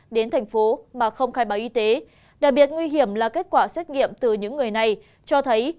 đến thành phố mà không khai báo y tế đặc biệt nguy hiểm là kết quả xét nghiệm từ những người này cho thấy